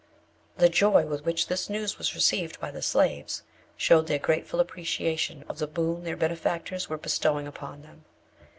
The joy with which this news was received by the slaves, showed their grateful appreciation of the boon their benefactors were bestowing upon them.